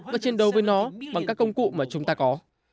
và chiến đấu với nó bằng các công cụ mà chúng ta có